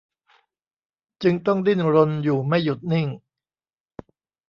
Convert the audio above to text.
จึงต้องดิ้นรนอยู่ไม่หยุดนิ่ง